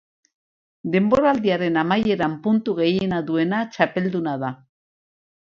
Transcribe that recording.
Denboraldiaren amaieran puntu gehien duena txapelduna da.